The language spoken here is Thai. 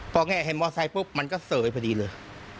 พอแง่เห็นมอไซค์ปุ๊บมันก็เสยพอดีเลย